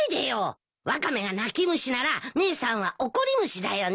ワカメが泣き虫なら姉さんは怒り虫だよね。